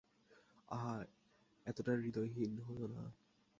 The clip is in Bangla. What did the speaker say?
আহা, এতটা হৃদয়হীন হয়ো না।